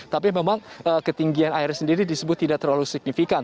tapi memang ketinggian air sendiri disebut tidak terlalu signifikan